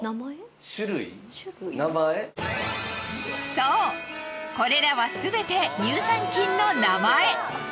そうこれらはすべて乳酸菌の名前。